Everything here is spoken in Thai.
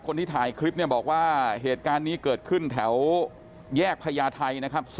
คนที่ถ่ายคลิปเนี่ยบอกว่าเหตุการณ์นี้เกิดขึ้นแถวแยกพญาไทยนะครับ